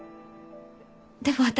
でも私。